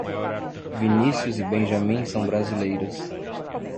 Vinícius e Benjamim são Brasileiros.